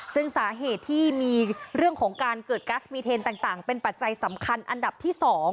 ซึ่งสาเหตุที่มีเรื่องของการเกิดกัสมีเทนต่างเป็นปัจจัยสำคัญอันดับที่๒